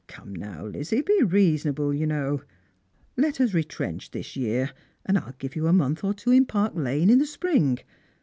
Come, now, Lizzie, be reasonable, you know. Let us retrench this year, and I'll give you a month or two in Park lane in the spring.